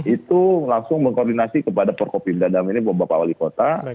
itu langsung mengkoordinasi kepada perkopimda dalam ini bapak wali kota